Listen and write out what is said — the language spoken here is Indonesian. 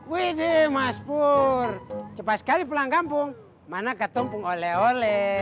wih deh mas pur cepat sekali pulang kampung mana ketumpung ole ole